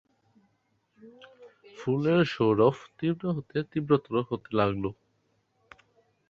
ফুলের সৌরভ তীব্র থেকে তীব্রতর হতে লাগল।